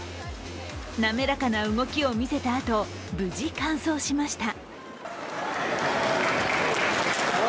滑らかな動きを見せたあと無事、完走しました。